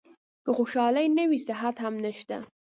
که خوشالي نه وي صحت هم نشته .